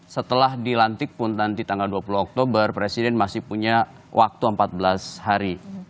setelah dilantik pun nanti tanggal dua puluh oktober presiden masih punya waktu empat belas hari